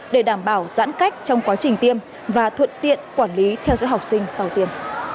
để đảm bảo giãn cách trong quá trình tiêm và thuận tiện quản lý theo dõi học sinh sau tiêm